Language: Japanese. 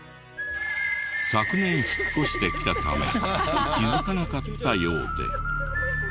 昨年引っ越してきたため気づかなかったようで。